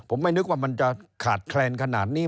ผมไม่นึกว่ามันจะขาดแคลนขนาดนี้